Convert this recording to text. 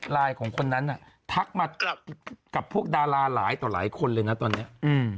ของคนนั้นน่ะทักมากับพวกดาราหลายต่อหลายคนเลยนะตอนเนี้ยอืม